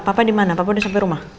papa dimana papa udah sampe rumah